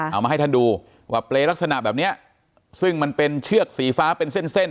เอามาให้ท่านดูว่าเปรย์ลักษณะแบบเนี้ยซึ่งมันเป็นเชือกสีฟ้าเป็นเส้นเส้น